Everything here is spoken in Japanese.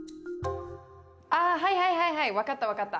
ああはいはいはいはい分かった分かった！